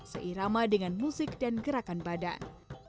seirama dengan musik dan gerakan badan